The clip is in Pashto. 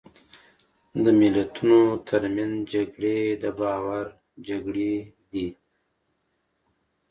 د ملتونو ترمنځ جګړې د باور جګړې دي.